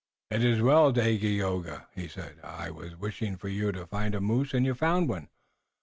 "It is well, Dagaeoga," he said. "I was wishing for you to find a moose and you found one.